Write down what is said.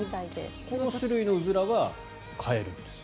この種類のウズラは飼えるんですよ。